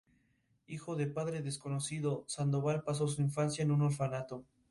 Desde su origen se tiene constancia de la celebración del Encuentro.